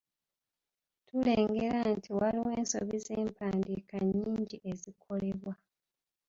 Tulengera nti waliwo ensobi z’empandiika nnyingi ezikolebwa.